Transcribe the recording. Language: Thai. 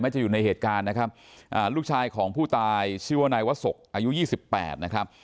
ไม่ใช่อยู่ในเหตุการณ์นะครับอ่าลูกชายของผู้ตายชีวนายวสกอายุยี่สิบแปดนะครับ